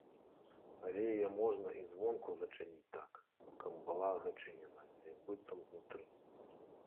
Але яе можна і звонку зачыніць так, каб была зачыненая, як быццам знутры.